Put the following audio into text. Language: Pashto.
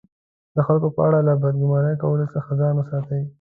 د خلکو په اړه له بد ګمان کولو څخه ځان وساتئ!